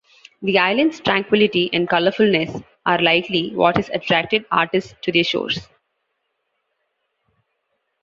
The islands' tranquility and colourfulness are likely what has attracted artists to their shores.